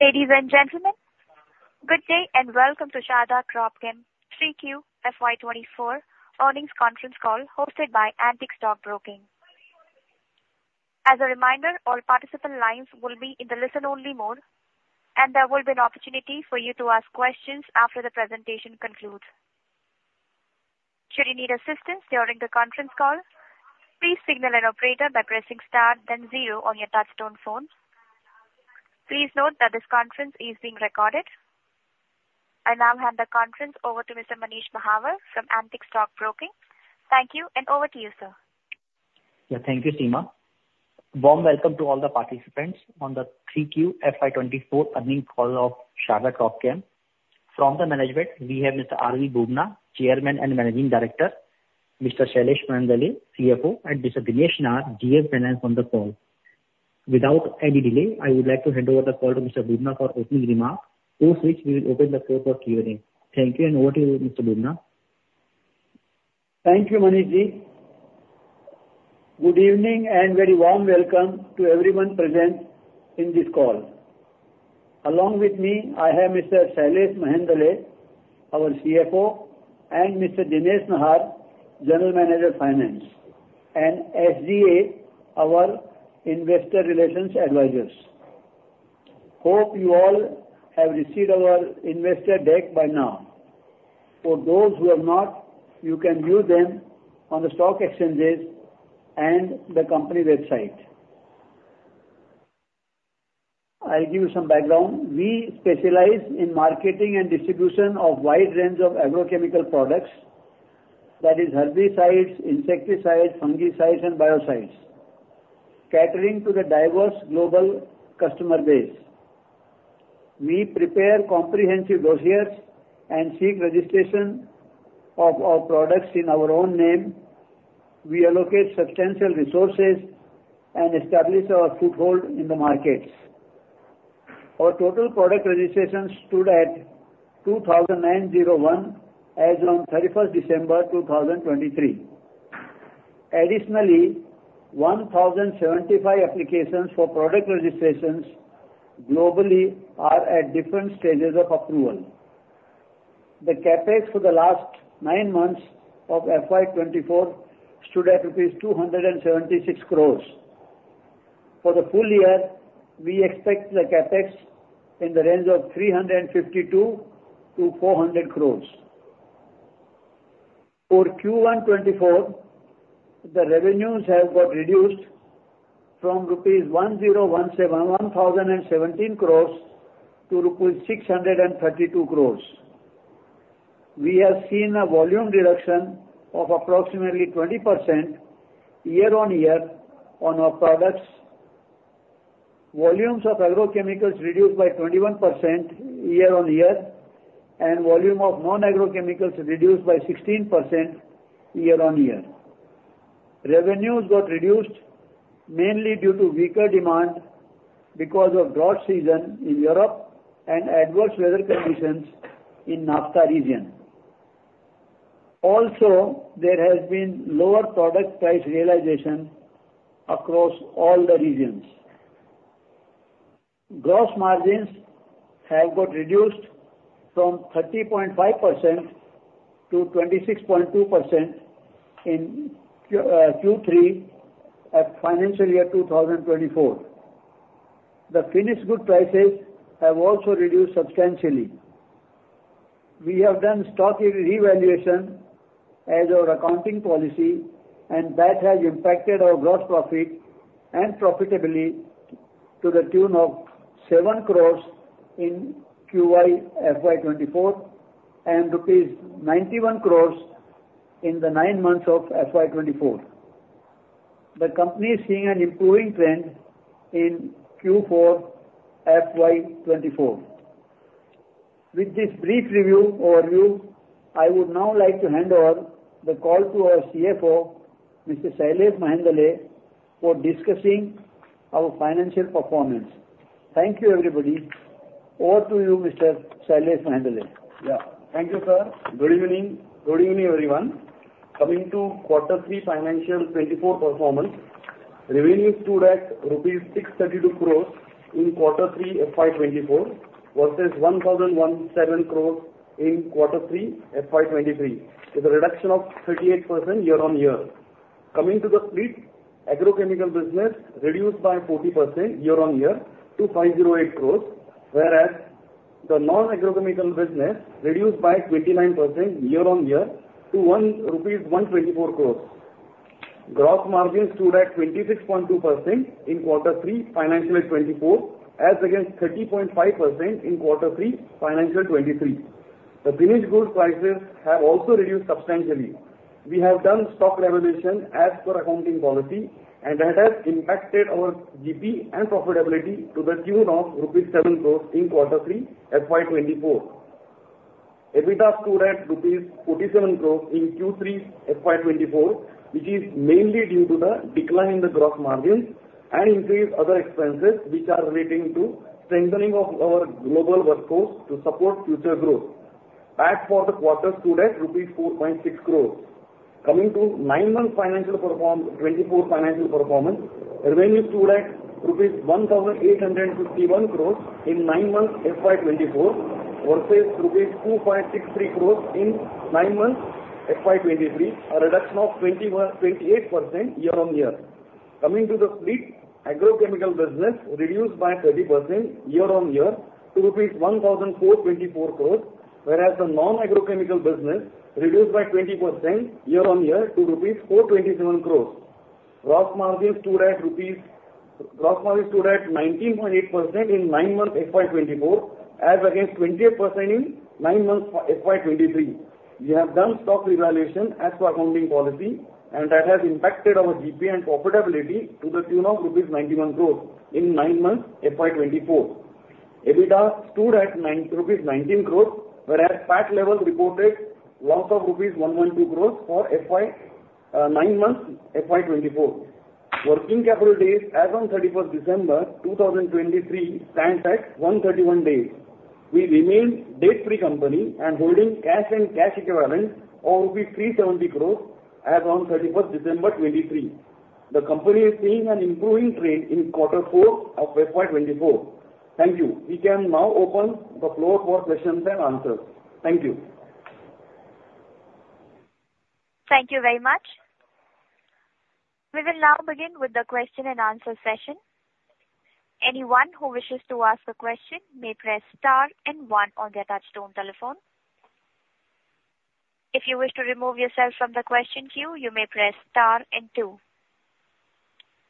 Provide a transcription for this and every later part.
Ladies and gentlemen, good day, and welcome to Sharda Cropchem 3Q FY24 earnings conference call, hosted by Antique Stock Broking. As a reminder, all participant lines will be in the listen-only mode, and there will be an opportunity for you to ask questions after the presentation concludes. Should you need assistance during the conference call, please signal an operator by pressing Star then Zero on your touchtone phone. Please note that this conference is being recorded. I now hand the conference over to Mr. Manish Mahawar from Antique Stock Broking. Thank you, and over to you, sir. Yeah. Thank you, Seema. Warm welcome to all the participants on the 3Q FY 2024 earnings call of Sharda Cropchem. From the management, we have Mr. R.V. Bubna, Chairman and Managing Director, Mr. Shailesh Mahendale, CFO, and Mr. Dinesh Nahar, GM, Finance on the call. Without any delay, I would like to hand over the call to Mr. Bubna for opening remarks, after which we will open the floor for Q&A. Thank you, and over to you, Mr. Bubna. Thank you, Manish. Good evening, and very warm welcome to everyone present in this call. Along with me, I have Mr. Shailesh Mahendale, our CFO, and Mr. Dinesh Nahar, General Manager, Finance, and SGA, our investor relations advisors. Hope you all have received our investor deck by now. For those who have not, you can view them on the stock exchanges and the company website. I'll give you some background. We specialize in marketing and distribution of wide range of agrochemical products, that is, herbicides, insecticides, fungicides, and biocides, catering to the diverse global customer base. We prepare comprehensive brochures and seek registration of our products in our own name. We allocate substantial resources and establish our foothold in the markets. Our total product registrations stood at 2,901 as on 31st December 2023. Additionally, 1,075 applications for product registrations globally are at different stages of approval. The CapEx for the last nine months of FY 2024 stood at 276 crore rupees. For the full year, we expect the CapEx in the range of 352 crore-400 crore. For Q1 2024, the revenues have got reduced from rupees 1,017 crore to rupees 632 crore. We have seen a volume reduction of approximately 20% year-on-year on our products. Volumes of agrochemicals reduced by 21% year-on-year, and volume of non-agrochemicals reduced by 16% year-on-year. Revenues got reduced mainly due to weaker demand because of drought season in Europe and adverse weather conditions in NAFTA region. Also, there has been lower product price realization across all the regions. Gross margins have got reduced from 30.5% to 26.2% in Q3 of financial year 2024. The finished good prices have also reduced substantially. We have done stock revaluation as our accounting policy, and that has impacted our gross profit and profitability to the tune of 7 crore in Q3 FY 2024 and rupees 91 crore in the nine months of FY 2024. The company is seeing an improving trend in Q4 FY 2024. With this brief review, overview, I would now like to hand over the call to our CFO, Mr. Shailesh Mehendale, for discussing our financial performance. Thank you, everybody. Over to you, Mr. Shailesh Mehendale. Yeah. Thank you, sir. Good evening. Good evening, everyone. Coming to quarter three, FY 2024 performance, revenues stood at INR 632 crores in quarter three, FY 2024, versus 1,017 crores in quarter three, FY 2023, with a reduction of 38% year-on-year. Coming to the split, agrochemical business reduced by 40% year-on-year to 508 crores, whereas the non-agrochemical business reduced by 29% year-on-year to 124 crores. Gross margin stood at 26.2% in quarter three, FY 2024, as against 30.5% in quarter three, FY 2023. The finished goods prices have also reduced substantially. We have done stock revaluation as per accounting policy, and that has impacted our GP and profitability to the tune of rupees 7 crores in quarter three, FY 2024. EBITDA stood at rupees 47 crore in Q3 FY 2024, which is mainly due to the decline in the gross margins and increased other expenses which are relating to strengthening of our global workforce to support future growth. As for the quarter stood at rupees 4.6 crores. Coming to nine months FY 2024 financial performance, revenue stood at rupees 1,851 crores in nine months FY 2024, versus rupees 2,630 crores in nine months FY 2023, a reduction of 21%-28% year-on-year. Coming to the split, agrochemical business reduced by 30% year-on-year to INR 1,424 crores, whereas the non-agrochemical business reduced by 20% year-on-year to rupees 427 crores. Gross margin stood at 19.8% in nine months FY 2024, as against 28% in nine months FY 2023. We have done stock revaluation as per accounting policy, and that has impacted our GP and profitability to the tune of rupees 91 crores in nine months FY 2024. EBITDA stood at 919 crores rupees, whereas PAT level reported loss of rupees 112 crores for FY, 9 months FY24. Working capital days as on thirty-first December 2023, stands at 131 days. We remain debt-free company and holding cash and cash equivalents of 370 crores as on thirty-first December 2023. The company is seeing an improving trade in quarter four of FY24. Thank you. We can now open the floor for questions and answers. Thank you. Thank you very much. We will now begin with the question and answer session. Anyone who wishes to ask a question may press star and one on their touchtone telephone. If you wish to remove yourself from the question queue, you may press star and two.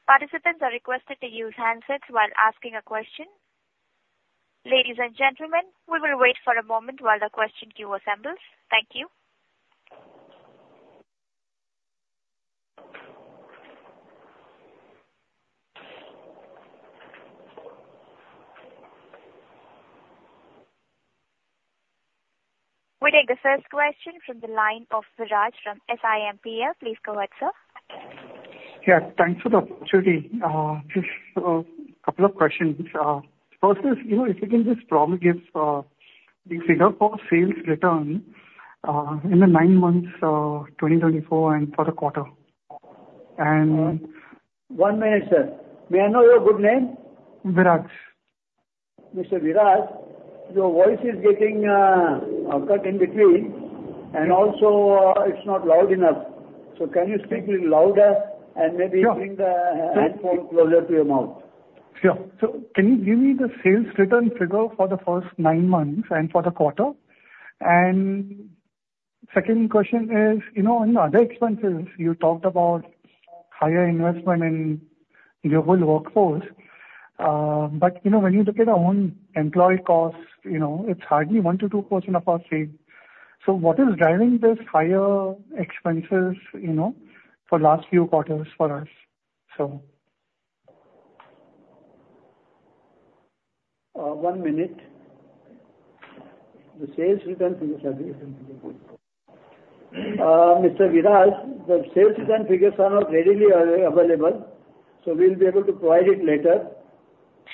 Participants are requested to use handsets while asking a question. Ladies and gentlemen, we will wait for a moment while the question queue assembles. Thank you. We take the first question from the line of Viraj from SiMPL. Please go ahead, sir. Yeah, thanks for the opportunity. Just a couple of questions. First is, you know, if you can just probably give the figure for sales return in the nine months 2024 and for the quarter. And- One minute, sir. May I know your good name? Viraj. Mr. Viraj, your voice is getting cut in between, and also, it's not loud enough. So can you speak little louder and maybe- Yeah. Bring the headphone closer to your mouth? Yeah. So can you give me the sales return figure for the first nine months and for the quarter? And second question is, you know, in the other expenses, you talked about higher investment in your whole workforce. But, you know, when you look at our own employee costs, you know, it's hardly 1%-2% of our sales. So what is driving this higher expenses, you know, for last few quarters for us, so? One minute. The sales return figures are being... Mr. Viraj, the sales return figures are not readily available, so we'll be able to provide it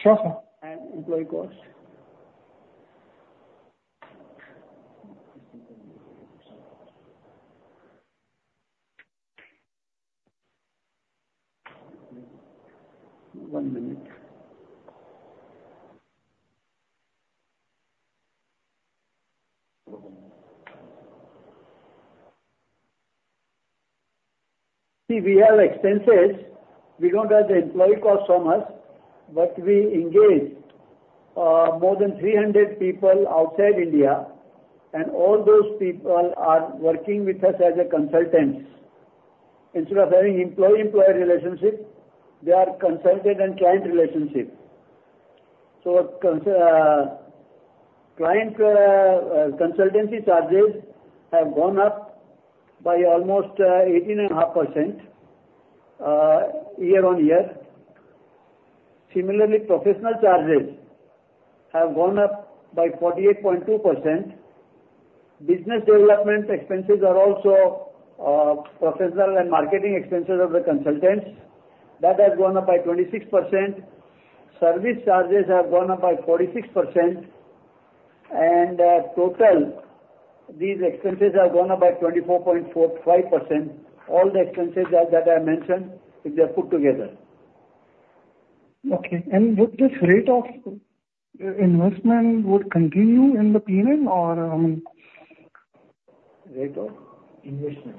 later. Sure, sir. And employee costs. One minute. See, we have expenses. We don't have the employee costs so much, but we engage more than 300 people outside India, and all those people are working with us as a consultants. Instead of having employee-employer relationship, they are consultant and client relationship. So client consultancy charges have gone up by almost 18.5%, year-on-year. Similarly, professional charges have gone up by 48.2%. Business development expenses are also professional and marketing expenses of the consultants. That has gone up by 26%. Service charges have gone up by 46%. And total, these expenses have gone up by 24.45%. All the expenses that I mentioned, if they're put together. Okay. And would this rate of investment would continue in the coming in, or? Rate of investment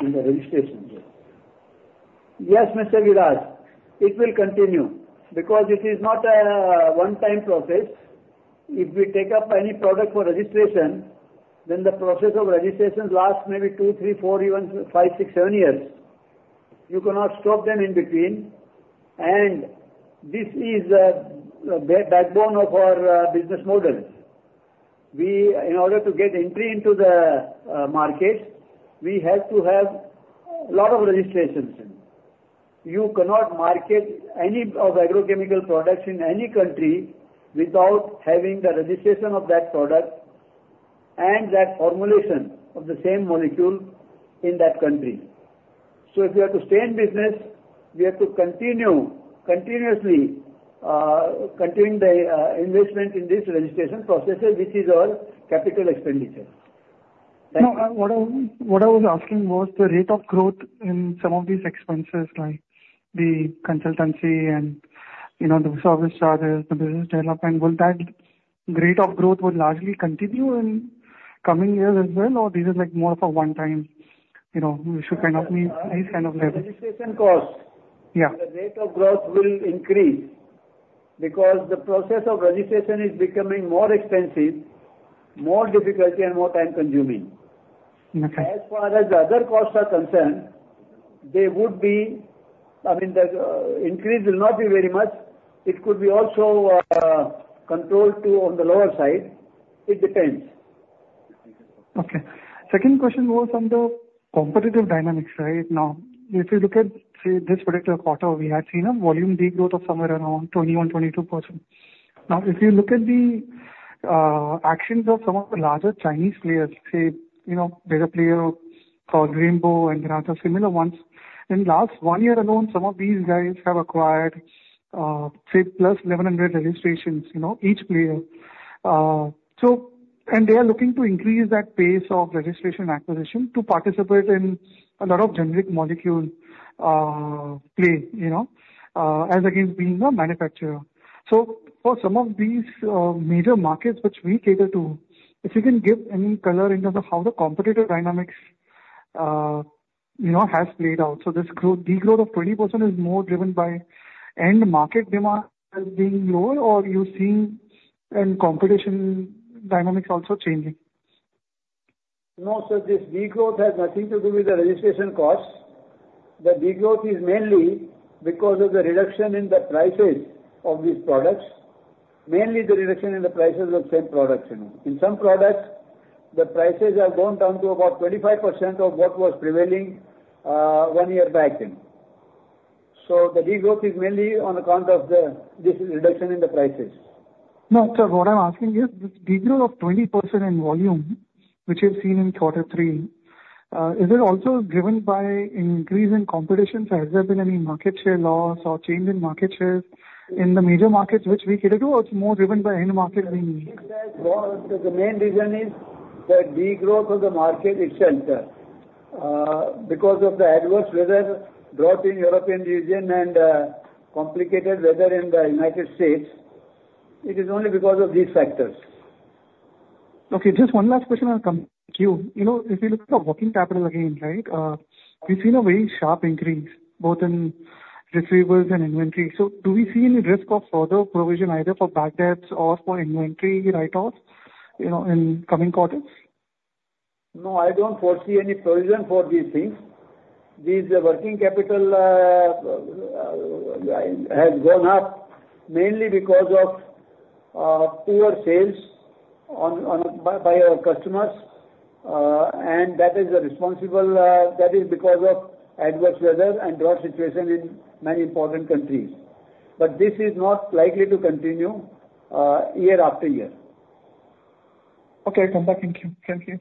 in the registration, yes. Yes, Mr. Viraj, it will continue because it is not a one-time process. If we take up any product for registration, then the process of registration lasts maybe two, three, four, even five, six, seven years. You cannot stop them in between. And this is the backbone of our business model. We, in order to get entry into the markets, we have to have a lot of registrations. You cannot market any of agrochemical products in any country without having the registration of that product and that formulation of the same molecule in that country.... So if you are to stay in business, we have to continue continuously continue the investment in this registration processes, which is our capital expenditure. Thank you. No, what I, what I was asking was the rate of growth in some of these expenses, like the consultancy and, you know, the service charges, the business development, will that rate of growth would largely continue in coming years as well, or this is like more of a one time, you know, we should kind of meet this kind of level? Registration cost. Yeah. The rate of growth will increase because the process of registration is becoming more expensive, more difficult, and more time-consuming. Okay. As far as the other costs are concerned, they would be I mean, the increase will not be very much. It could be also controlled to on the lower side. It depends. Okay. Second question was on the competitive dynamics, right? Now, if you look at, say, this particular quarter, we had seen a volume degrowth of somewhere around 21-22%. Now, if you look at the actions of some of the larger Chinese players, say, you know, there's a player called Rainbow and there are some similar ones. In last one year alone, some of these guys have acquired, say, plus 1,100 registrations, you know, each player. So and they are looking to increase that pace of registration acquisition to participate in a lot of generic molecule play, you know, as against being a manufacturer. So for some of these major markets which we cater to, if you can give any color in terms of how the competitive dynamics, you know, has played out. So this growth, degrowth of 20% is more driven by end market demand as being lower, or you're seeing a competition dynamics also changing? No, sir, this degrowth has nothing to do with the registration costs. The degrowth is mainly because of the reduction in the prices of these products, mainly the reduction in the prices of same products. In some products, the prices have gone down to about 25% of what was prevailing one year back then. So the degrowth is mainly on account of this reduction in the prices. No, sir, what I'm asking is, this degrowth of 20% in volume, which you've seen in quarter three, is it also driven by increase in competition? So has there been any market share loss or change in market shares in the major markets which we cater to, or it's more driven by end market being? Well, the main reason is the degrowth of the market itself, because of the adverse weather, drought in European region and, complicated weather in the United States. It is only because of these factors. Okay, just one last question and I'll come to you. You know, if you look at the working capital again, right, we've seen a very sharp increase both in receivables and inventory. So do we see any risk of further provision, either for bad debts or for inventory write-offs, you know, in coming quarters? No, I don't foresee any provision for these things. These working capital have gone up mainly because of poor sales by our customers. And that is responsible, that is because of adverse weather and drought situation in many important countries. But this is not likely to continue year after year. Okay, thank you. Thank you.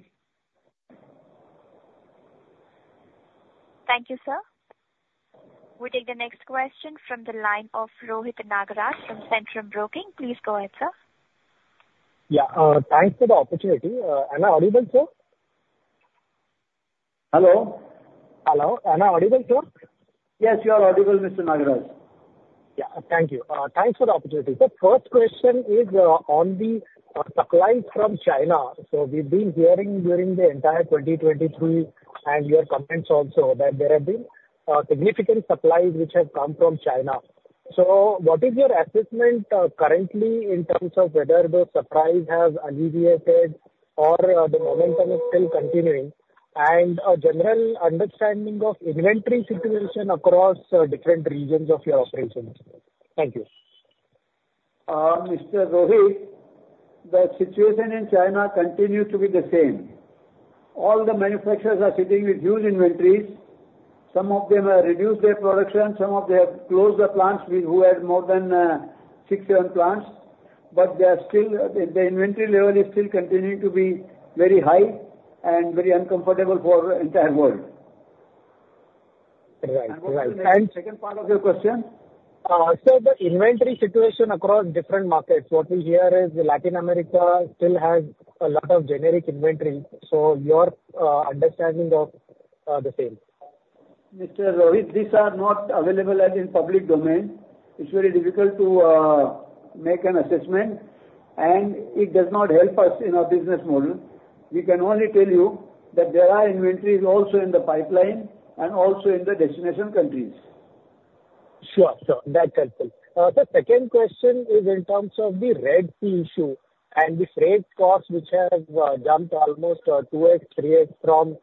Thank you, sir. We'll take the next question from the line of Rohit Nagaraj from Centrum Broking. Please go ahead, sir. Yeah, thanks for the opportunity. Am I audible, sir? Hello? Hello, am I audible, sir? Yes, you are audible, Mr. Nagaraj. Yeah. Thank you. Thanks for the opportunity. The first question is, on the supplies from China. So we've been hearing during the entire 2023, and your comments also, that there have been, significant supplies which have come from China. So what is your assessment, currently in terms of whether the supplies have alleviated or the momentum is still continuing, and a general understanding of inventory situation across, different regions of your operations? Thank you. Mr. Rohit, the situation in China continues to be the same. All the manufacturers are sitting with huge inventories. Some of them have reduced their production, some of them have closed the plants with who had more than six, seven plants, but they are still, the inventory level is still continuing to be very high and very uncomfortable for the entire world. Right. Right. The second part of your question? The inventory situation across different markets, what we hear is that Latin America still has a lot of generic inventory. Your understanding of the same? Mr. Rohit, these are not available as in public domain. It's very difficult to make an assessment, and it does not help us in our business model. We can only tell you that there are inventories also in the pipeline and also in the destination countries. Sure. Sure. That's helpful. The second question is in terms of the Red Sea issue and the freight costs, which have jumped almost 2x, 3x from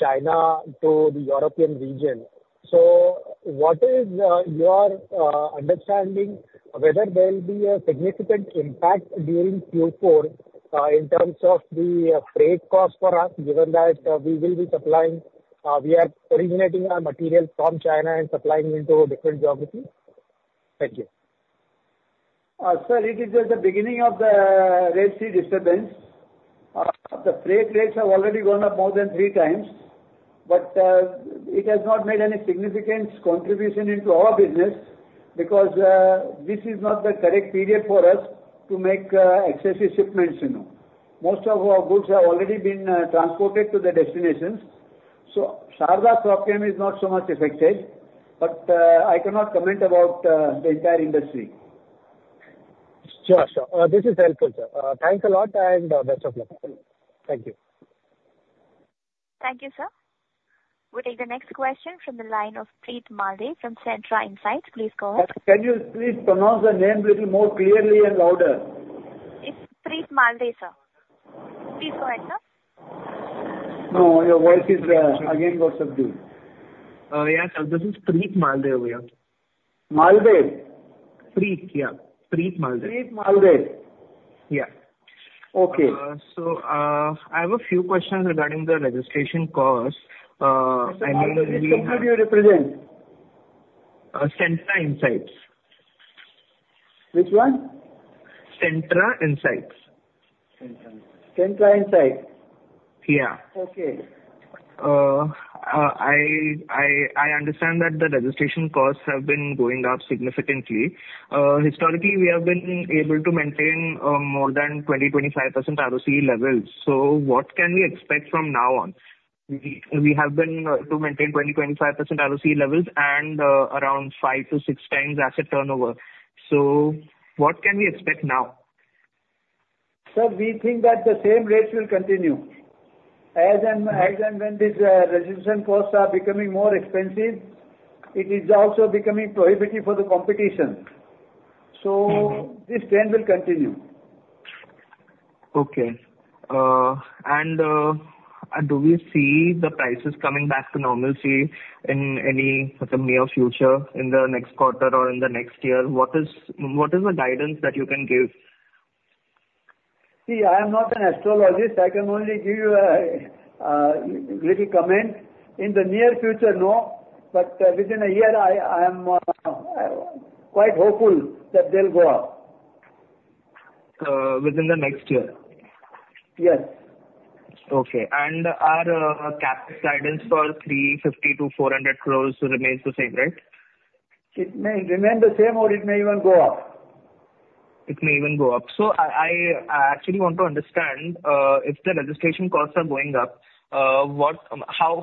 China to the European region. So what is your understanding of whether there will be a significant impact during Q4 in terms of the freight costs for us, given that we will be supplying, we are originating our materials from China and supplying into different geographies? Thank you. So it is just the beginning of the Red Sea disturbance. The freight rates have already gone up more than three times, but it has not made any significant contribution into our business because this is not the correct period for us to make excessive shipments, you know. Most of our goods have already been transported to the destinations. So Sharda Cropchem is not so much affected, but I cannot comment about the entire industry. Sure, sure. This is helpful, sir. Thanks a lot, and best of luck. Thank you. Thank you, sir. We'll take the next question from the line of Preet Malde from Centra Insights. Please go ahead. Can you please pronounce the name little more clearly and louder? It's Preet Malde, sir. Please go ahead, sir. No, your voice is, again not so clear. Yeah, sir, this is Preet Malde over here. Malde? Preet, yeah. Preet Malde. Preet Malde. Yeah. Okay. So, I have a few questions regarding the registration costs. And then we- Which company you represent? Centrum Insights. Which one? Centra Insights. Centra Insights. Yeah. Okay. I understand that the registration costs have been going up significantly. Historically, we have been able to maintain more than 20-25% ROCE levels. So what can we expect from now on? We have been to maintain 20-25% ROCE levels and around 5-6 times asset turnover. So what can we expect now? Sir, we think that the same rates will continue. As and when these registration costs are becoming more expensive, it is also becoming prohibitive for the competition. Mm-hmm. This trend will continue. Okay. And do we see the prices coming back to normalcy in any sort of near future, in the next quarter or in the next year? What is the guidance that you can give? See, I am not an astrologer, I can only give you a little comment. In the near future, no, but within a year, I am quite hopeful that they'll go up. Within the next year? Yes. Okay. And our CapEx guidance for 350 crore-400 crore remains the same, right? It may remain the same or it may even go up. It may even go up. So I actually want to understand if the registration costs are going up, how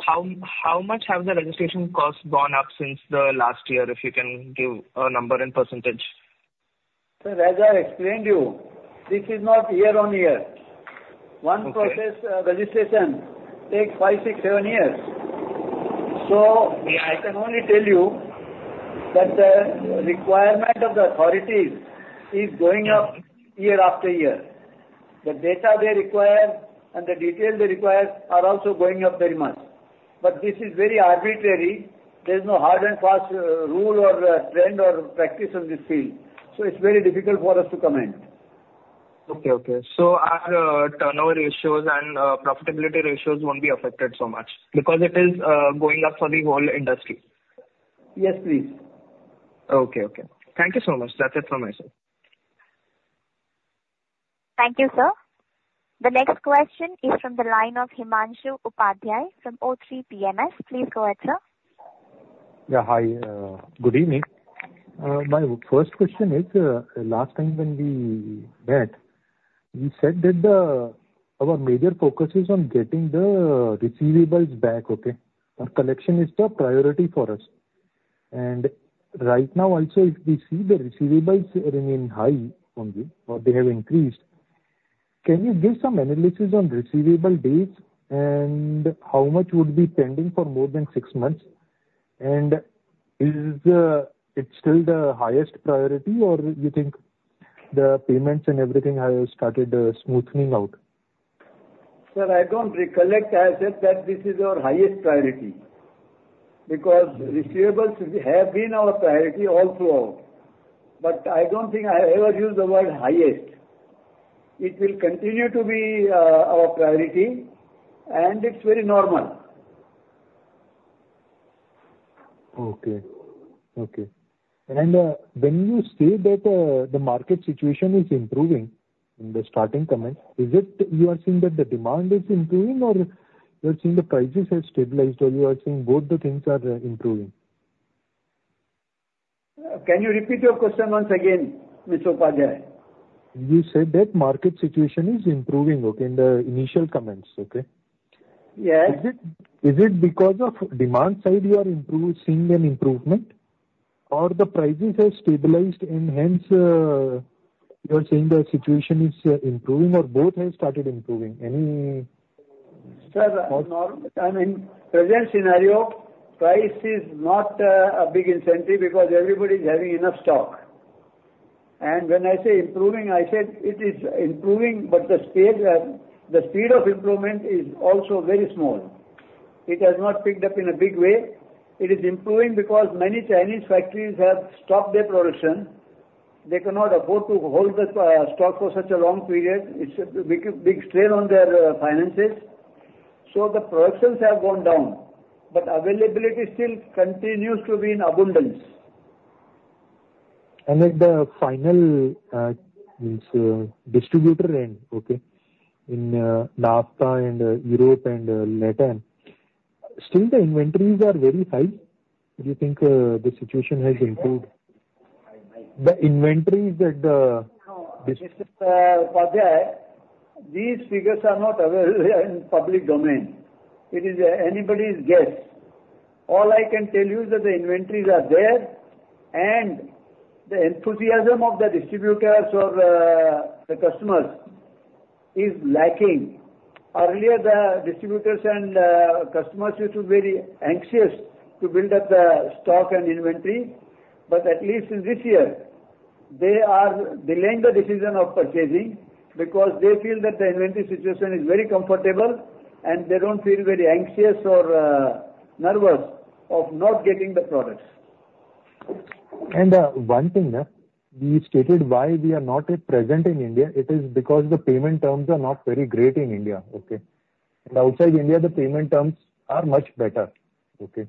much have the registration costs gone up since the last year, if you can give a number and percentage? As I explained to you, this is not year-on-year. Okay. One process, registration takes five-seven years. So Yeah I can only tell you that the requirement of the authorities is going up. Yeah .year after year. The data they require and the details they require are also going up very much. But this is very arbitrary, there's no hard and fast rule or trend or practice in this field, so it's very difficult for us to comment. Okay, okay. Our turnover ratios and profitability ratios won't be affected so much because it is going up for the whole industry? Yes, please. Okay, okay. Thank you so much. That's it from my side. Thank you, sir. The next question is from the line of Himanshu Upadhyay from O3 Capital. Please go ahead, sir. Yeah, hi. Good evening. My first question is, last time when we met, you said that our major focus is on getting the receivables back, okay, and collection is the priority for us. And right now also, if we see the receivables remain high only, or they have increased, can you give some analysis on receivable dates, and how much would be pending for more than six months? And is it still the highest priority, or you think the payments and everything have started smoothening out Sir, I don't recollect I said that this is our highest priority, because receivables have been our priority all throughout. But I don't think I ever used the word highest. It will continue to be, our priority, and it's very normal. Okay, okay. When you say that the market situation is improving, in the starting comment, is it you are seeing that the demand is improving, or you are seeing the prices have stabilized, or you are seeing both the things are improving? Can you repeat your question once again, Mr. Upadhyay? You said that market situation is improving, okay, in the initial comments, okay? Yes. Is it, is it because of demand side you are improved, seeing an improvement, or the prices have stabilized and hence, you are saying the situation is improving, or both have started improving? Any- Sir, I mean, present scenario, price is not a big incentive because everybody is having enough stock. And when I say improving, I said it is improving, but the scale, the speed of improvement is also very small. It has not picked up in a big way. It is improving because many Chinese factories have stopped their production. They cannot afford to hold the stock for such a long period, it's a big, big strain on their finances. So the productions have gone down, but availability still continues to be in abundance. And then the final distributor end, okay, in NAFTA and Europe and Latin. Still the inventories are very high. Do you think the situation has improved? I beg your pardon? The inventories that the dis- No, Mr. Upadhyay, these figures are not available in public domain. It is anybody's guess. All I can tell you is that the inventories are there, and the enthusiasm of the distributors or the customers is lacking. Earlier, the distributors and customers used to be very anxious to build up the stock and inventory, but at least in this year, they are delaying the decision of purchasing because they feel that the inventory situation is very comfortable and they don't feel very anxious or nervous of not getting the products. One thing, we stated why we are not yet present in India. It is because the payment terms are not very great in India, okay? Outside India, the payment terms are much better. Okay.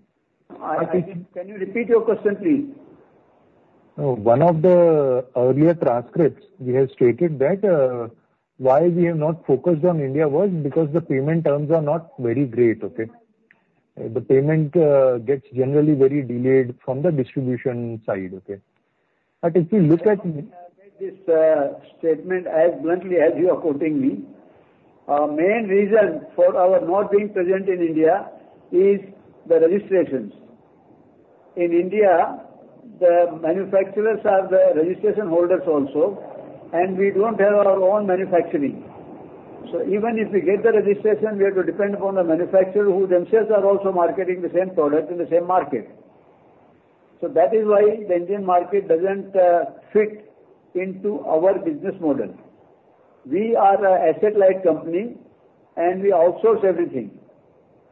I think, can you repeat your question, please? One of the earlier transcripts, we have stated that, why we have not focused on India was because the payment terms are not very great, okay? The payment gets generally very delayed from the distribution side, okay? But if you look at- I made this statement as bluntly as you are quoting me. Our main reason for our not being present in India is the registrations. In India, the manufacturers are the registration holders also, and we don't have our own manufacturing. So even if we get the registration, we have to depend upon the manufacturer, who themselves are also marketing the same product in the same market. So that is why the Indian market doesn't fit into our business model. We are a asset-light company, and we outsource everything.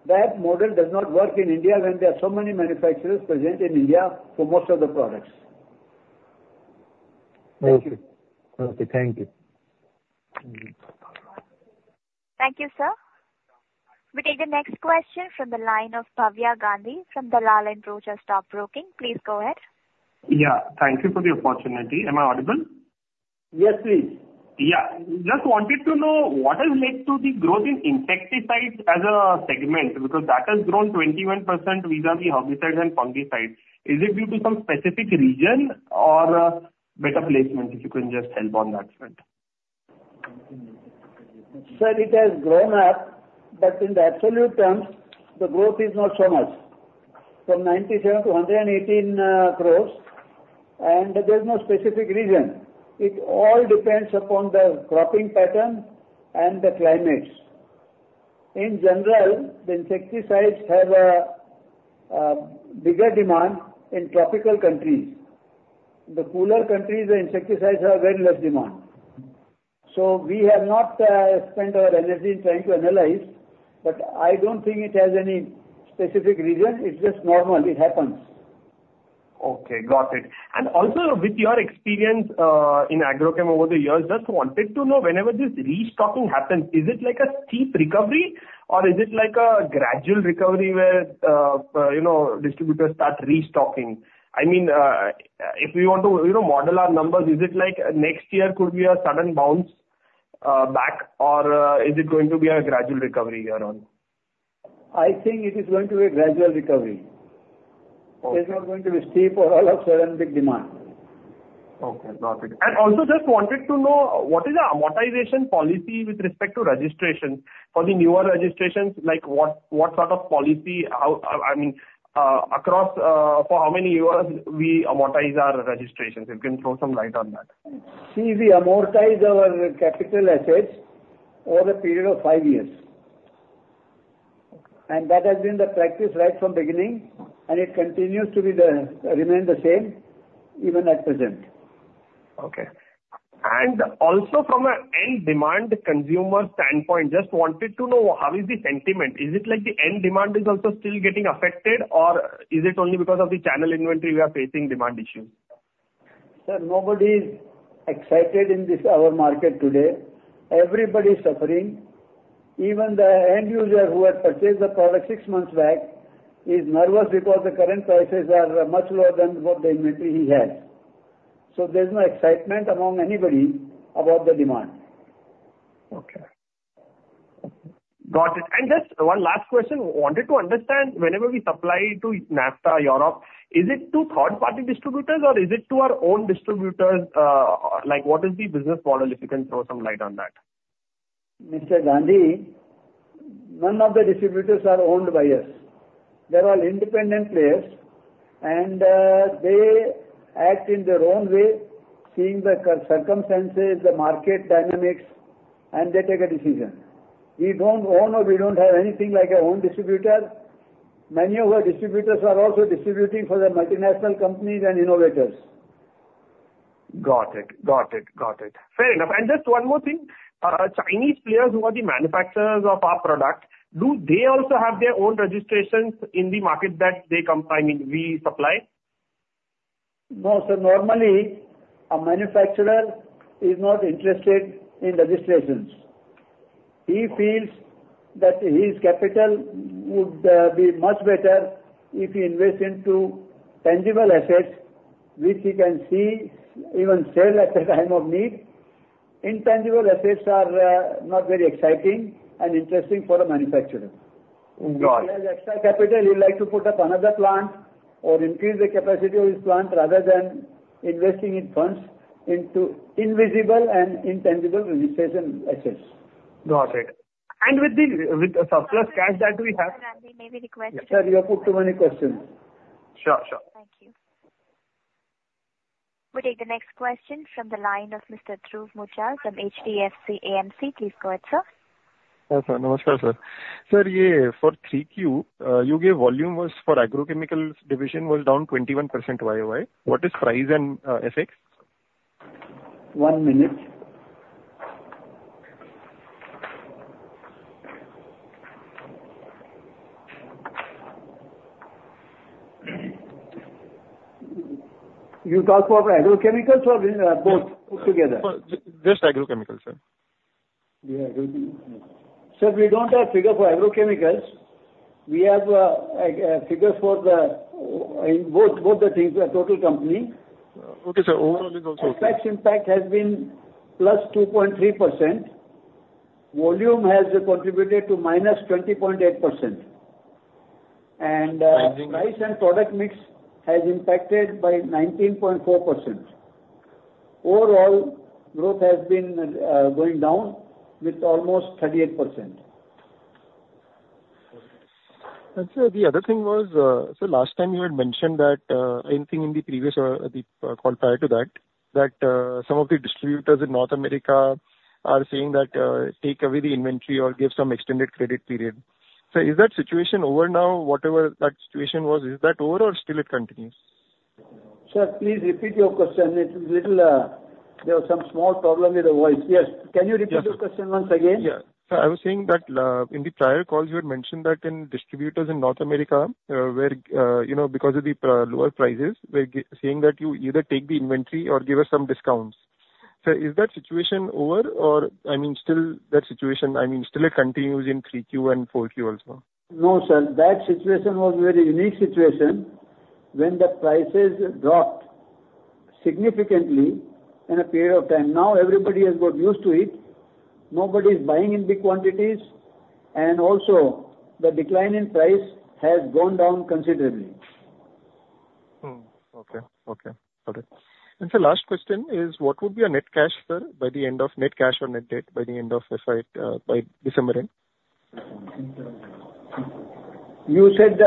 That model does not work in India when there are so many manufacturers present in India for most of the products. Thank you. Okay, thank you. Thank you, sir. We take the next question from the line of Bhavya Gandhi from Dalal & Broacha Stock Broking. Please go ahead. Yeah, thank you for the opportunity. Am I audible? Yes, please. Yeah. Just wanted to know what has led to the growth in insecticides as a segment, because that has grown 21% vis-à-vis herbicides and fungicides. Is it due to some specific reason or better placement? If you can just help on that front. Sir, it has grown up, but in the absolute terms, the growth is not so much. From 97 crores to 118 crores, and there's no specific reason. It all depends upon the cropping pattern and the climates. In general, the insecticides have a bigger demand in tropical countries. In the cooler countries, the insecticides have very less demand. So we have not spent our energy in trying to analyze, but I don't think it has any specific reason. It's just normal, it happens. Okay, got it. And also, with your experience in agrochem over the years, just wanted to know, whenever this restocking happens, is it like a steep recovery, or is it like a gradual recovery where, you know, distributors start restocking? I mean, if we want to, you know, model our numbers, is it like next year could be a sudden bounce back, or is it going to be a gradual recovery here on? I think it is going to be a gradual recovery. Okay. It's not going to be steep or all of sudden big demand. Okay, got it. And also just wanted to know, what is the amortization policy with respect to registration? For the newer registrations, like, what sort of policy, how I mean, across, for how many years we amortize our registrations? If you can throw some light on that. See, we amortize our capital assets over a period of five years. Okay. That has been the practice right from beginning, and it continues to remain the same even at present. Okay. Also from an end demand consumer standpoint, just wanted to know, how is the sentiment? Is it like the end demand is also still getting affected, or is it only because of the channel inventory we are facing demand issues? Sir, nobody is excited in this our market today. Everybody is suffering. Even the end user who has purchased the product six months back is nervous because the current prices are much lower than what the inventory he has. So there's no excitement among anybody about the demand. Okay. Got it. Just one last question. Wanted to understand, whenever we supply to NAFTA, Europe, is it to third-party distributors or is it to our own distributors? Like, what is the business model, if you can throw some light on that? Mr. Gandhi, none of the distributors are owned by us. They're all independent players, and they act in their own way, seeing the circumstances, the market dynamics, and they take a decision. We don't own or we don't have anything like a own distributor. Many of our distributors are also distributing for the multinational companies and innovators. Got it. Got it. Got it. Fair enough. And just one more thing, Chinese players who are the manufacturers of our product, do they also have their own registrations in the market that they... I mean, we supply? ... No, so normally, a manufacturer is not interested in registrations. He feels that his capital would be much better if he invests into tangible assets which he can see, even sell at a time of need. Intangible assets are not very exciting and interesting for a manufacturer. Got it. If he has extra capital, he would like to put up another plant or increase the capacity of his plant, rather than investing in funds into invisible and intangible registration assets. Got it. And with the surplus cash that we have Maybe the question- Sir, you have put too many questions. Sure, sure. Thank you. We'll take the next question from the line of Mr. Dhruv Muchhal from HDFC AMC. Please go ahead, sir. Hi, sir. Namaskar, sir. Sir, yeah, for 3Q, you gave volumes for agrochemicals division was down 21% YOY. What is price and effects? One minute. You talk for agrochemicals or, both together? For just Agrochemicals, sir. Yeah. Sir, we don't have figure for agrochemicals. We have figures for the in both, both the things, the total company. Okay, sir. Overall is also okay. FX impact has been +2.3%. Volume has contributed -20.8%. And, Thank you. Price and product mix has impacted by 19.4%. Overall, growth has been going down with almost 38%. Sir, the other thing was, so last time you had mentioned that, anything in the previous or the call prior to that, that, some of the distributors in North America are saying that, "Take away the inventory or give some extended credit period." Sir, is that situation over now? Whatever that situation was, is that over or still it continues? Sir, please repeat your question. It's a little, there was some small problem with the voice. Yes. Yeah. Can you repeat the question once again? Yeah. Sir, I was saying that, in the prior calls, you had mentioned that in distributors in North America, where, you know, because of the lower prices, were saying that you either take the inventory or give us some discounts. Sir, is that situation over or I mean, still that situation, I mean, still it continues in 3Q and 4Q also? No, sir. That situation was a very unique situation when the prices dropped significantly in a period of time. Now, everybody has got used to it. Nobody is buying in big quantities, and also the decline in price has gone down considerably. Hmm. Okay, okay. Got it. And sir, last question is, what would be our net cash, sir, by the end of net cash or net debt by the end of FY, by December end? You said,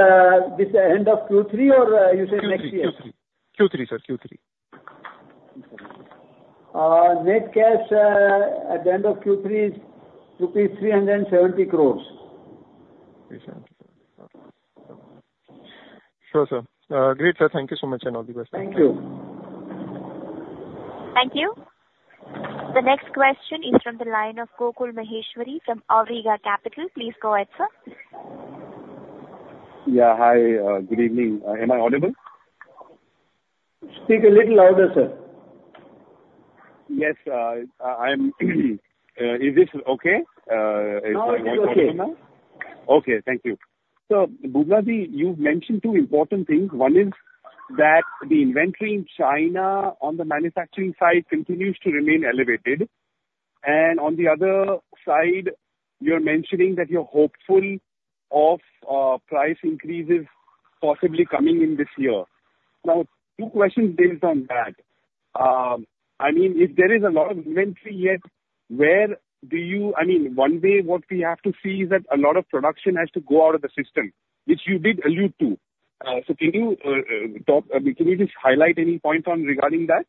this end of Q3 or, you said next year? Q3 Q3 Q3 sir, Q3. Net cash at the end of Q3 is rupees 370 crores. 370, okay. Sure, sir. Great, sir. Thank you so much, and all the best. Thank you. Thank you. The next question is from the line of Gokul Maheshwari from Awriga Capital. Please go ahead, sir. Yeah, hi. Good evening. Am I audible? Speak a little louder, sir. Yes, I am. Is this okay? Am I okay now? Now, it's okay. Okay. Thank you. So, Bubnaji, you've mentioned two important things. One is that the inventory in China on the manufacturing side continues to remain elevated, and on the other side, you're mentioning that you're hopeful of price increases possibly coming in this year. Now, two questions based on that. I mean, if there is a lot of inventory yet, where do you I mean, one way, what we have to see is that a lot of production has to go out of the system, which you did allude to. So can you just highlight any point on regarding that?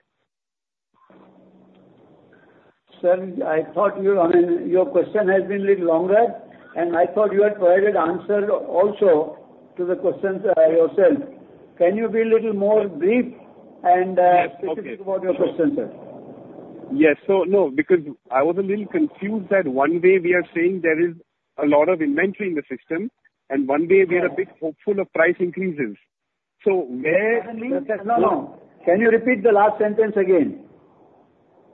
Sir, I thought you, I mean, your question has been little longer, and I thought you had provided answer also to the questions, yourself. Can you be a little more brief and, Yes, okay. Specific about your question, sir? Yes. So, no, because I was a little confused that one way we are saying there is a lot of inventory in the system, and one way we are a bit hopeful of price increases. So where- No, no. Can you repeat the last sentence again?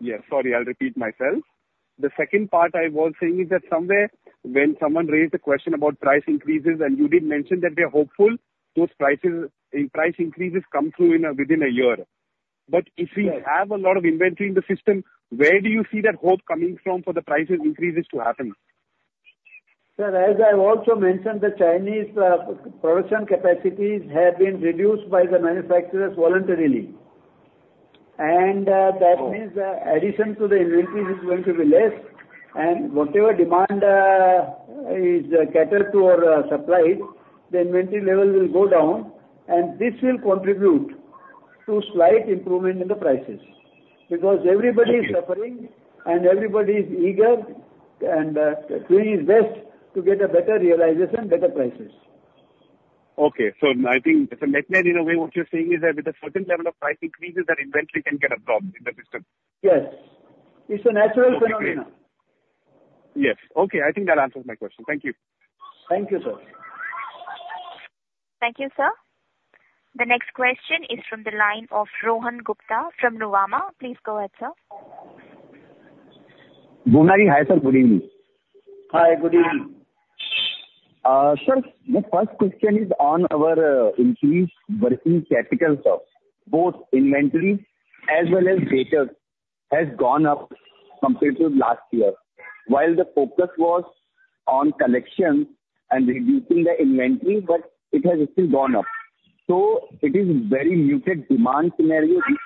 Yes, sorry. I'll repeat myself. The second part I was saying is that somewhere when someone raised a question about price increases, and you did mention that we are hopeful those prices, and price increases come through in a within a year. Yes. If we have a lot of inventory in the system, where do you see that hope coming from for the price increases to happen? Sir, as I have also mentioned, the Chinese production capacities have been reduced by the manufacturers voluntarily. And, that means- Oh... addition to the inventory is going to be less, and whatever demand is catered to our suppliers, the inventory level will go down, and this will contribute to slight improvement in the prices. Okay. Because everybody is suffering, and everybody is eager and doing his best to get a better realization, better prices. Okay. So I think, so net/net, in a way, what you're saying is that with a certain level of price increases, that inventory can get absorbed in the system? Yes. It's a natural phenomenon. Yes. Okay, I think that answers my question. Thank you. Thank you, sir. Thank you, sir. The next question is from the line of Rohan Gupta from Nuvama. Please go ahead, sir. Rohanji, hi, sir, good evening. Hi, good evening. Sir, the first question is on our increased working capital stock, both inventory as well as debtors, has gone up compared to last year. While the focus was on collection and reducing the inventory, but it has still gone up. So it is very muted demand scenario which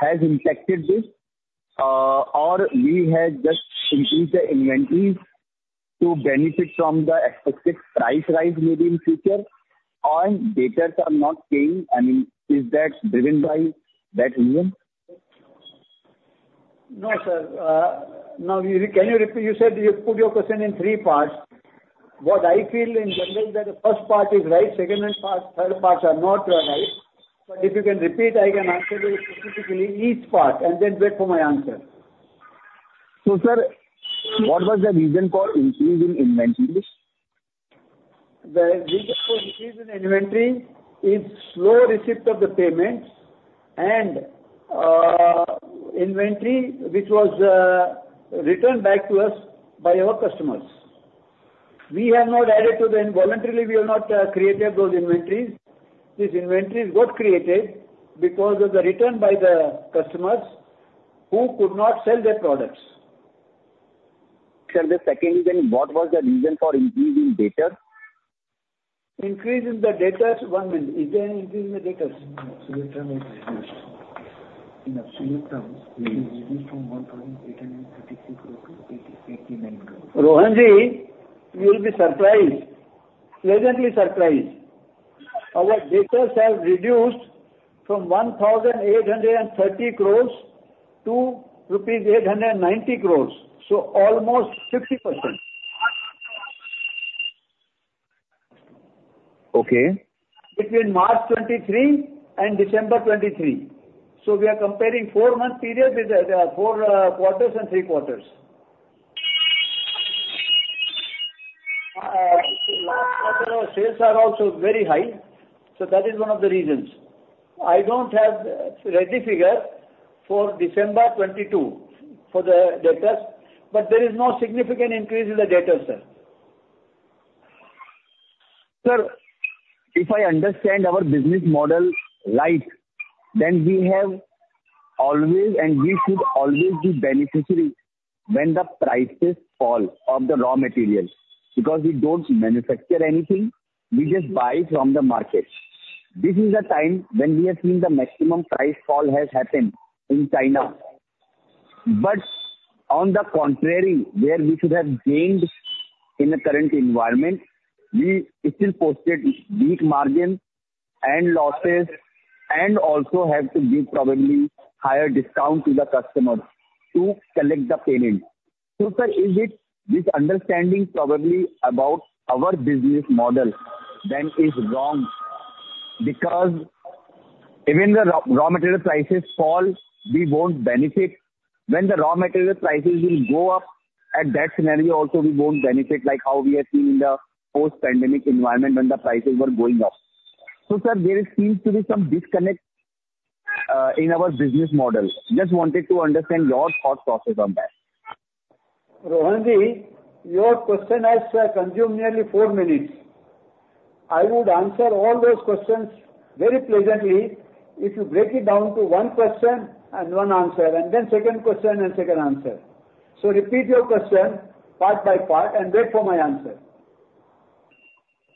has impacted this, or we have just increased the inventories to benefit from the expected price rise maybe in future, or debtors are not paying. I mean, is that driven by that reason? No, sir. Now, you, can you repeat? You said you put your question in three parts. What I feel in general is that the first part is right, second and part, third parts are not right. But if you can repeat, I can answer you specifically each part, and then wait for my answer. Sir, what was the reason for increase in inventories? The reason for increase in inventory is slow receipt of the payments and inventory which was returned back to us by our customers. We have not added to them, voluntarily we have not created those inventories. These inventories got created because of the return by the customers who could not sell their products. Sir, the second is then, what was the reason for increase in debtors? Increase in the debtors, one minute. Is there an increase in the debtors? Rohanji, you will be surprised, pleasantly surprised. Our debtors have reduced from 1,830 crores to rupees 890 crores, so almost 60%. Okay. Between March 2023 and December 2023. So we are comparing four month periods with four quarters and 3 quarters. Last quarter our sales are also very high, so that is one of the reasons. I don't have ready figures for December 2022 for the debtors, but there is no significant increase in the debtors, sir. Sir, if I understand our business model right, then we have always and we should always be beneficiary when the prices fall of the raw materials, because we don't manufacture anything, we just buy from the market. This is the time when we have seen the maximum price fall has happened in China. But on the contrary, where we should have gained in the current environment, we still posted weak margins and losses, and also have to give probably higher discount to the customers to collect the payment. So, sir, is it this understanding probably about our business model that is wrong? Because even the raw material prices fall, we won't benefit. When the raw material prices will go up, at that scenario also we won't benefit, like how we have seen in the post-pandemic environment when the prices were going up. Sir, there seems to be some disconnect in our business model. Just wanted to understand your thought process on that. Rohanji, your question has consumed nearly four minutes. I would answer all those questions very pleasantly if you break it down to one question and one answer, and then second question and second answer. So repeat your question part by part and wait for my answer.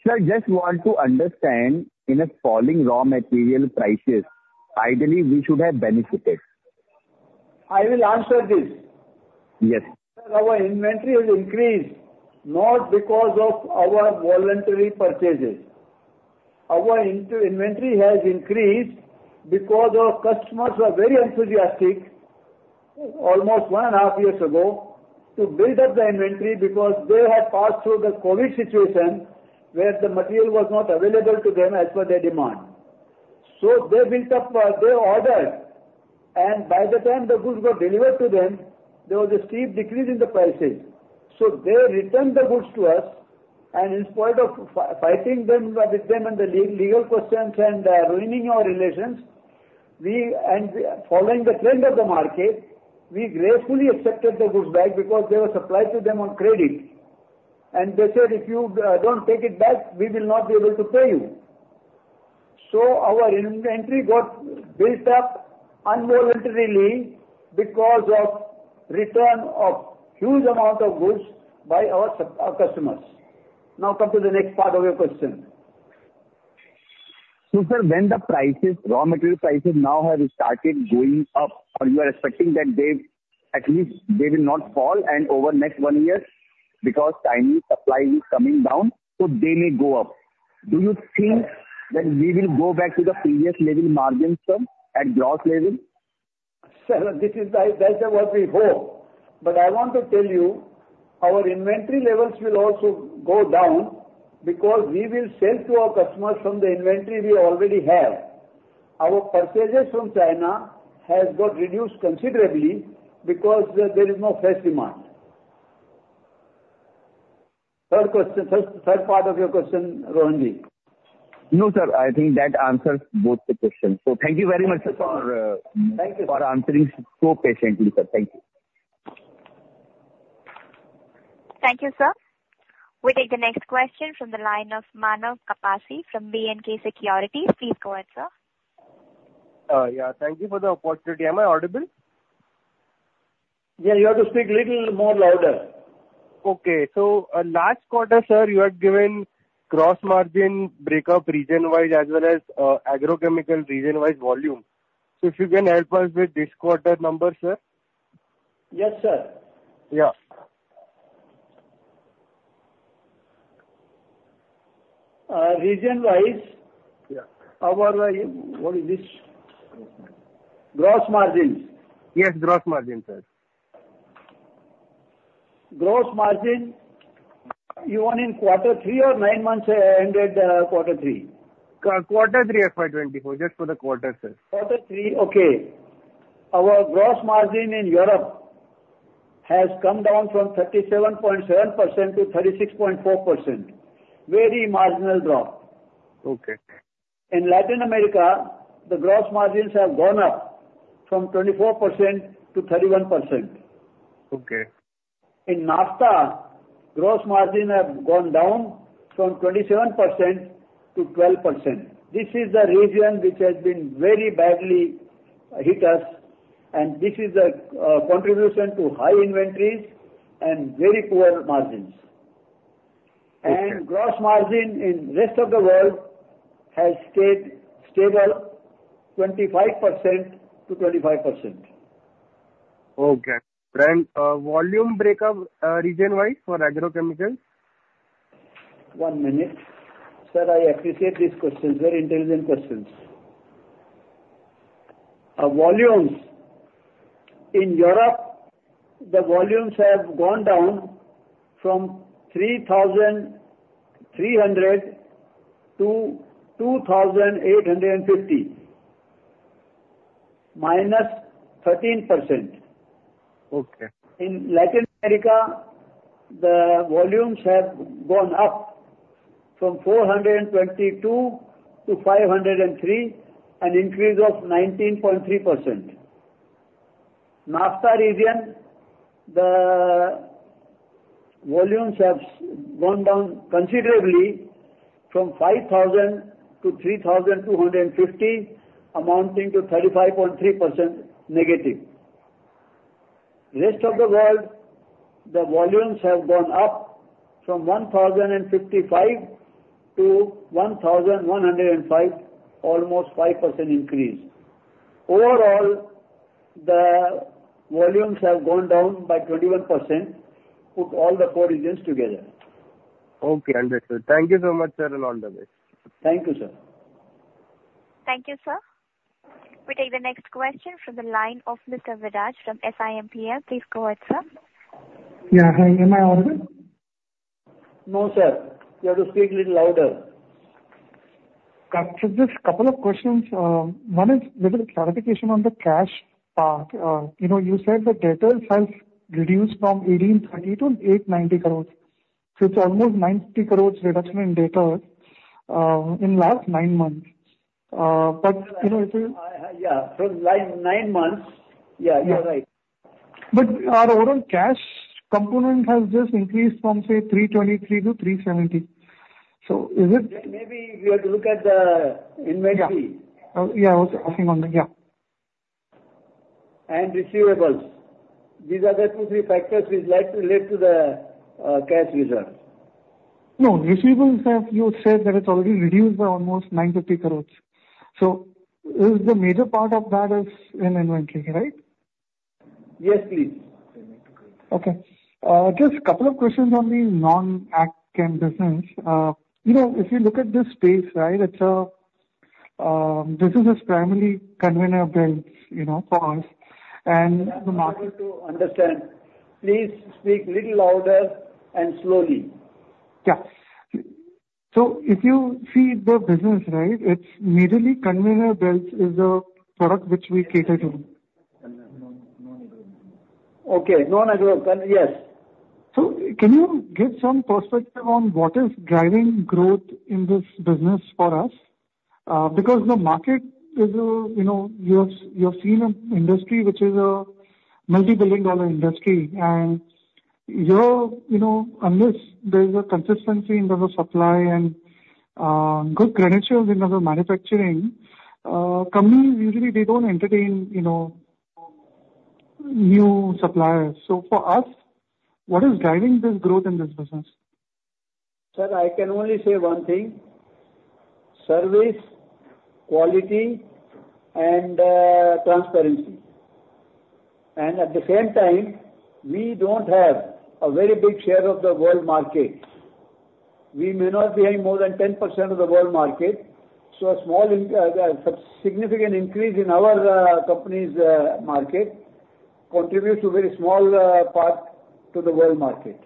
Sir, I just want to understand, in a falling raw material prices, ideally, we should have benefited. I will answer this. Yes. Sir, our inventory has increased not because of our voluntary purchases. Our inventory has increased because our customers were very enthusiastic, almost one and a half years ago, to build up the inventory because they had passed through the COVID situation, where the material was not available to them as per their demand. So they built up, they ordered, and by the time the goods were delivered to them, there was a steep decrease in the prices. So they returned the goods to us, and in spite of fighting them with them on the legal questions and ruining our relations, we And following the trend of the market, we gracefully accepted the goods back because they were supplied to them on credit. And they said, "If you don't take it back, we will not be able to pay you." So our inventory got built up involuntarily because of return of huge amount of goods by our customers. Now, come to the next part of your question. So, sir, when the prices, raw material prices now have started going up, are you expecting that they, at least, they will not fall over next one year, because Chinese supply is coming down, so they may go up. Do you think that we will go back to the previous level margins, sir, at gross level? Sir, this is the, that's what we hope. But I want to tell you, our inventory levels will also go down because we will sell to our customers from the inventory we already have Our purchases from China has got reduced considerably because there is no fresh demand. Third question, third part of your question, Rohanji? No, sir, I think that answers both the questions. So thank you very much, sir, Thank you. for answering so patiently, sir. Thank you. Thank you, sir. We take the next question from the line of Manav Kapasi from B&K Securities. Please go ahead, sir. Yeah, thank you for the opportunity. Am I audible? Yeah, you have to speak little more louder Okay. So, last quarter, sir, you had given gross margin breakup region-wide, as well as, agrochemical region-wide volume. So if you can help us with this quarter number, sir? Yes, sir. Yeah. Uh, region-wise- Yeah. Our, what is this? Gross margins. Yes, gross margin, sir. Gross margin, you want in quarter three or nine months ended, quarter three? Quarter 3, FY24, just for the quarter, sir. Quarter three, okay. Our gross margin in Europe has come down from 37.7% to 36.4%. Very marginal drop. Okay. In Latin America, the gross margins have gone up from 24%-31%. Okay. In NAFTA, gross margin have gone down from 27% to 12%. This is the region which has been very badly hit us, and this is the contribution to high inventories and very poor margins. Okay. Gross margin in rest of the world has stayed stable, 25%-25%. Okay. Then, volume breakup, region-wide for agrochemicals? One minute. Sir, I appreciate these questions, very intelligent questions. Our volumes. In Europe, the volumes have gone down from 3,300 to 2,850, minus 13%. Okay. In Latin America, the volumes have gone up from 422 to 503, an increase of 19.3%. NAFTA region, the volumes have gone down considerably from 5,000 to 3,250, amounting to -35.3%. Rest of the world, the volumes have gone up from 1,055 to 1,105, almost 5% increase. Overall, the volumes have gone down by 21%, put all the four regions together. Okay, understood. Thank you so much, sir, and all the best. Thank you, sir. Thank you, sir. We take the next question from the line of Mr. Viraj from SiMPL. Please go ahead, sir. Yeah, hi. Am I audible? No, sir. You have to speak little louder. Got you. Just a couple of questions. One is little clarification on the cash part. You know, you said the debtors have reduced from 1,830 crores to 890 crores. So it's almost 90 crores reduction in debtors, in last 9 months. But, you know, it- I, yeah, from like nine months. Yeah, you're right. But our overall cash component has just increased from, say, 323 to 370. So is it- Maybe you have to look at the inventory. Yeah. Yeah, I was clicking on that, yeah. Receivables. These are the two, three factors which like to lead to the cash results. No, receivables have you said that it's already reduced by almost 950 crore? So, is the major part of that in inventory, right? Yes, please. Okay. Just couple of questions on the non-ag chem business. You know, if you look at this space, right, it's primarily conveyor belts, you know, for us and the market- I'm not able to understand. Please speak little louder and slowly. Yeah. If you see the business right, it's mainly conveyor belts is a product which we cater to. Okay, non-ag chemical, yes. So can you give some perspective on what is driving growth in this business for us? Because the market is, you know, you have seen an industry which is a multi-billion dollar industry, and you're, you know, unless there's a consistency in terms of supply and good credentials in terms of manufacturing, companies usually they don't entertain, you know, new suppliers. So for us, what is driving this growth in this business? Sir, I can only say one thing: service, quality, and transparency. At the same time, we don't have a very big share of the world market. We may not be having more than 10% of the world market, so a small, significant increase in our company's market contributes to very small part to the world market.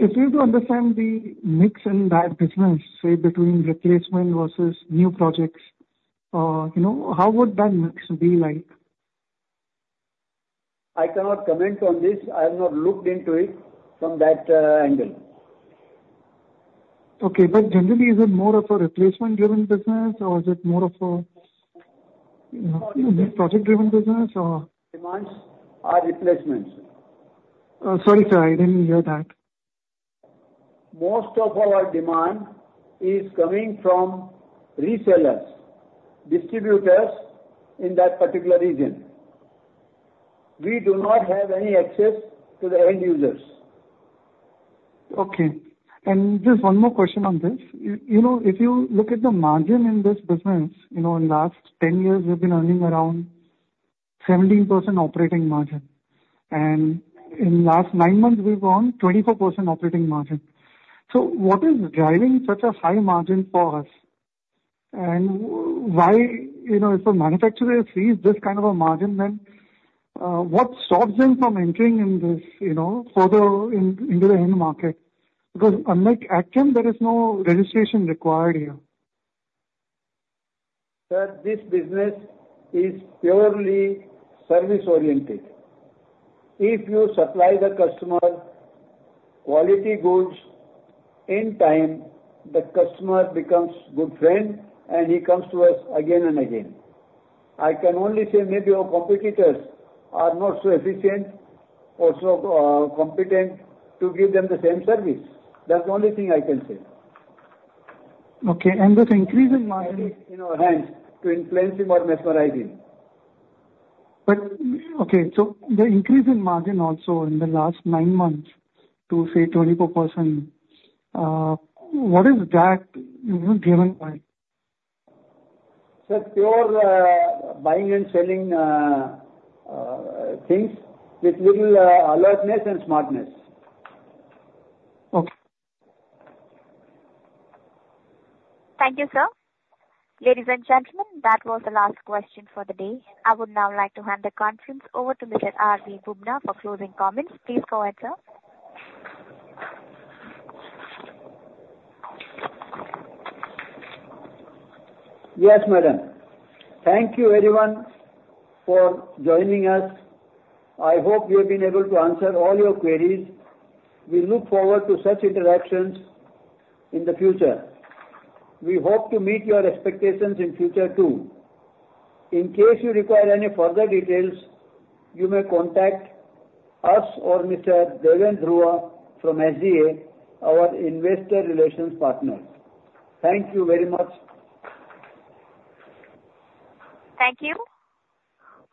...if we have to understand the mix in that business, say between replacement versus new projects, you know, how would that mix be like? I cannot comment on this. I have not looked into it from that, angle. Okay. Generally, is it more of a replacement driven business or is it more of a project driven business or? Demands are replacements. Sorry, sir, I didn't hear that. Most of our demand is coming from resellers, distributors in that particular region. We do not have any access to the end users. Okay. Just one more question on this. You know, if you look at the margin in this business, you know, in last 10 years, we've been earning around 17% operating margin, and in last nine months, we've gone 24% operating margin. So what is driving such a high margin for us? And why, you know, if a manufacturer sees this kind of a margin, then what stops them from entering in this, you know, further in, into the end market? Because unlike agchem, there is no registration required here. That this business is purely service-oriented. If you supply the customer quality goods in time, the customer becomes good friend, and he comes to us again and again. I can only say maybe our competitors are not so efficient or so, competent to give them the same service. That's the only thing I can say. Okay, and this increase in margin- In our hands to influence him or mesmerize him. Okay, so the increase in margin also in the last nine months to, say, 24%, what is that, you know, driven by? So, pure buying and selling things with little alertness and smartness. Okay. Thank you, sir. Ladies and gentlemen, that was the last question for the day. I would now like to hand the conference over to Mr. R.V. Bubna for closing comments. Please go ahead, sir. Yes, madam. Thank you, everyone, for joining us. I hope we have been able to answer all your queries. We look forward to such interactions in the future. We hope to meet your expectations in future, too. In case you require any further details, you may contact us or Mr. Deven Dhruva from SGA, our investor relations partner. Thank you very much. Thank you.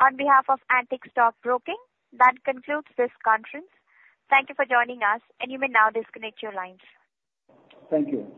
On behalf of Antique Stock Broking, that concludes this conference. Thank you for joining us, and you may now disconnect your lines. Thank you.